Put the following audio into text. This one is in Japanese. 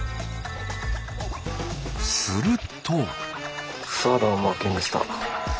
すると。